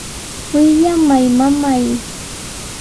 ¡Wiyallamay, mamay!